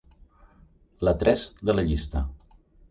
La tres de la llista.